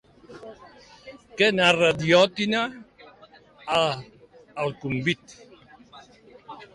Què narra Diòtima a "El convit"?